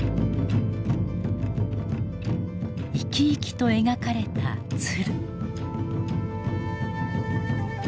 生き生きと描かれた鶴。